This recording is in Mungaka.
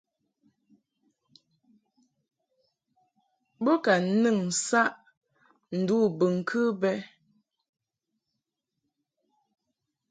Bo ka nɨn saʼ ndu bɨŋkɨ bɛ.